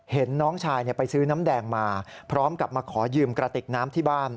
น้องชายไปซื้อน้ำแดงมาพร้อมกับมาขอยืมกระติกน้ำที่บ้าน